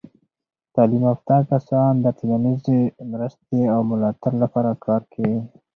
تعلیم یافته کسان د ټولنیزې مرستې او ملاتړ لپاره کار کوي.